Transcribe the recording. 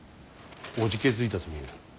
おじけづいたと見える。